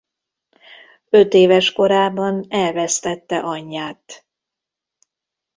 Ötéves korában elvesztette anyját.